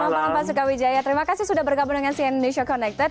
selamat malam pak sukawijaya terima kasih sudah berkabung dengan cn news show connected